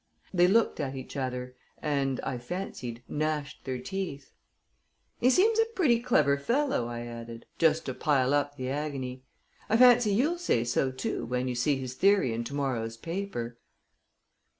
They looked at each other, and, I fancied, gnashed their teeth. "He seems a pretty clever fellow," I added, just to pile up the agony. "I fancy you'll say so, too, when you see his theory in to morrow's paper."